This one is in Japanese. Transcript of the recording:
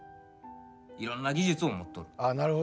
いろんな技術を持っとる。